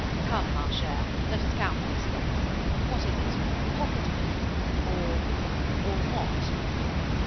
"Come, ma chère, let us count these things. What is it? Pocket book? Or or _what?